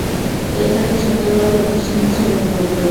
এ খাতের সবচেয়ে বড় প্রতিষ্ঠান হচ্ছে রহিমআফরোজ।